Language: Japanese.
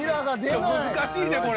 難しいねこれ。